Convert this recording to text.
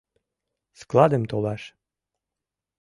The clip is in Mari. — Складым толаш!